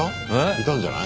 いたんじゃない？